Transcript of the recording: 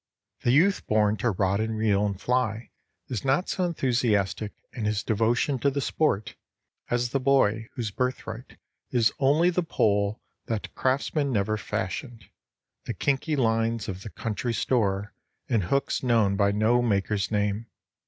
The youth born to rod and reel and fly is not so enthusiastic in his devotion to the sport as the boy whose birthright is only the pole that craftsman never fashioned, the kinky lines of the country store, and hooks known by no maker's name.